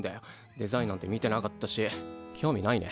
デザインなんて見てなかったし興味ないね。